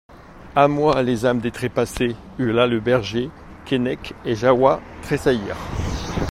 A moi ! les âmes des Trépassés ! hurla le berger, Keinec et Jahoua tressaillirent.